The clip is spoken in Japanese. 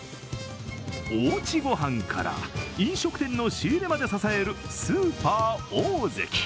おうち御飯から、飲食店の仕入れまで支えるスーパーオオゼキ。